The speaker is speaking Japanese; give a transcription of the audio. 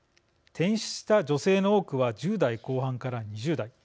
転出した女性の多くは１０代後半から２０代。